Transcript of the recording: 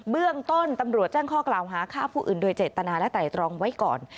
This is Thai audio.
เบื้องต้นตำรวจแจ้งข้อกล่าวหาฆ่าผู้อื่นโดยเจตนาและไตรตรองไว้ก่อน